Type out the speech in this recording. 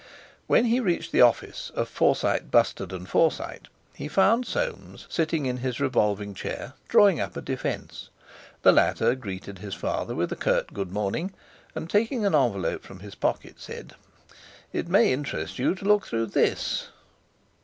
When he reached the office of Forsyte, Bustard and Forsyte, he found Soames, sitting in his revolving, chair, drawing up a defence. The latter greeted his father with a curt good morning, and, taking an envelope from his pocket, said: "It may interest you to look through this."